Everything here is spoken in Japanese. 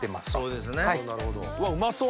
うわうまそう！